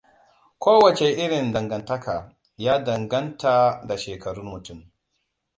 Kowacce irin dangantaka, ya danganta da shekarun mutum.